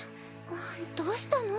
あっどうしたの？